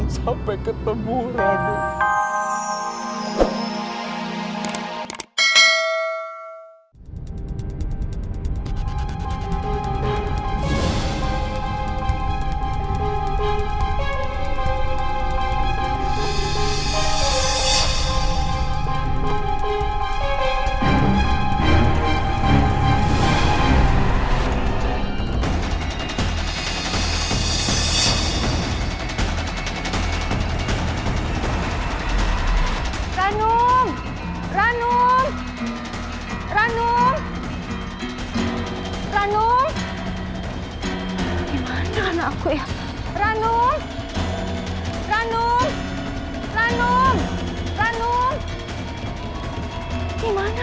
sampai ketemu rana